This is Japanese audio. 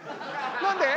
何で？